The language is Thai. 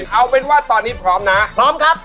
เอาเป็นว่าตอนนี้พร้อมนะพร้อมครับ